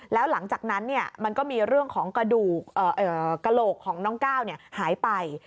แล้วหลังจากนั้นมันก็มีเรื่องของกระโหลกของน้องก้าวหายไป